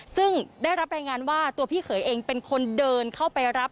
ซึ่งได้รับรายงานว่าตัวพี่เขยเองเป็นคนเดินเข้าไปรับ